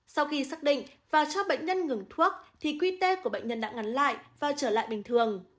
sau khi xác định và cho bệnh nhân ngừng thuốc thì q tê của bệnh nhân đã ngắn lại và trở lại bình thường